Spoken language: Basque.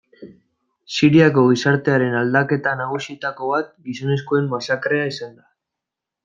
Siriako gizartearen aldaketa nagusietako bat gizonezkoen masakrea izan da.